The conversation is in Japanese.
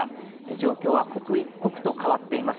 状況は刻一刻と変わっています。